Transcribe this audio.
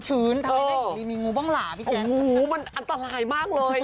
ช่างให้แม่หญิงลีมีงูบ่องหลาพี่แจ๊โอ้โหมันอันตรายมากเลย